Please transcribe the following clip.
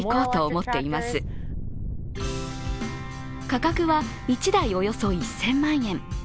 価格は１台およそ１０００万円。